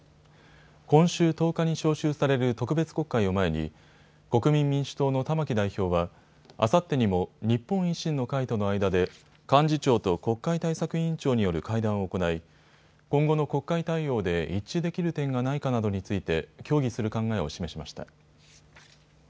今週１０日に召集される特別国会を前に国民民主党の玉木代表はあさってにも、日本維新の会との間で幹事長と国会対策委員長による会談を行い今後の国会対応で一致できる点がないかなどについて協議する考えを示しました。